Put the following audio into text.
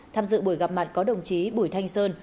tham dự buổi gặp mặt có đồng chí bùi thanh sơn